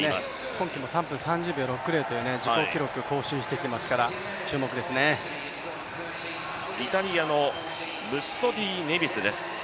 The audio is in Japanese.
今季も３分３０秒６０という自己記録を更新してきましたからイタリアのブッソッティ・ネベスです。